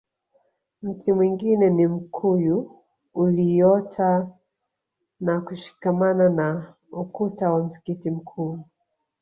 Mti mwingine ni mkuyu ulioota na kushikamana na ukuta wa msikiti mkuu